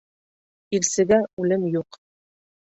Илсегә үлем юҡ.